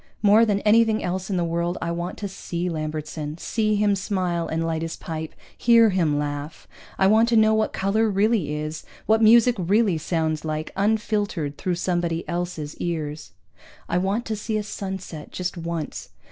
More than anything else in the world I want to see Lambertson, see him smile and light his pipe, hear him laugh. I want to know what color really is, what music really sounds like unfiltered through somebody else's ears. I want to see a sunset, just once.